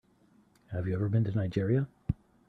Have you ever been to Nigeria?